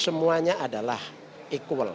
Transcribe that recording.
semuanya adalah equal